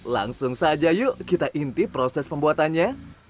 langsung saja yuk kita inti proses pembuatannya